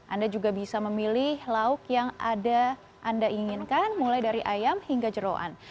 anda juga bisa memilih lauk yang ada anda inginkan mulai dari ayam hingga jerawan